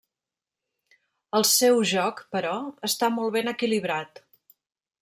El seu joc, però, està molt ben equilibrat.